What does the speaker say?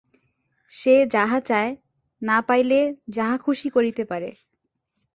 সে যাহা চায়, না পাইলে যাহা-খুশি করিতে পারে।